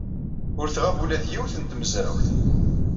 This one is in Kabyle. Ur tɣab ula d yiwet n tmezrawt.